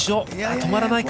止まらないか。